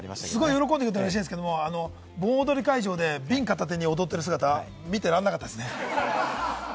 喜んでくれてうれしいんですけれど、盆踊り会場で瓶を片手に踊っている姿、見てられなかったですね。